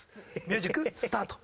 ミュージックスタート！